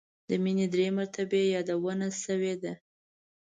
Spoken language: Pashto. د مینې درې مرتبې یادونه شوې ده.